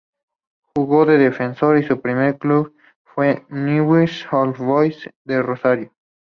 Jugó de defensor y su primer club fue Newell's Old Boys de Rosario.